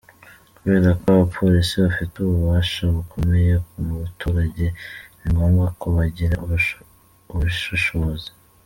Kubera ko abapolisi bafite ububasha bukomeye ku baturage, ni ngombwa ko bagira ubushishozi.